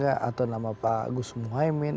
atau nama pak gus muhaymin